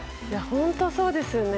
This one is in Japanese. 本当そうですよね。